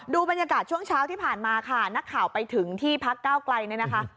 บรรยากาศช่วงเช้าที่ผ่านมาค่ะนักข่าวไปถึงที่พักเก้าไกลเนี่ยนะคะ